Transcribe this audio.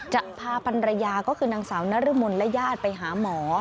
จะพาพันรยาก็คือนางสาวนรมนและญาติไปหาหมอ